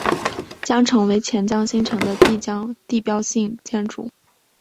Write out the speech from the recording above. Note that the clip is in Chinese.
将成为钱江新城的地标性建筑。